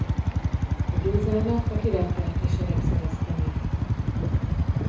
A győzelmet a királypárti sereg szerezte meg.